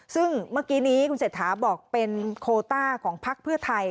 ซึ่งเมื่อกี้นี้คุณเศรษฐาบอกเป็นโคต้าของพักเพื่อไทย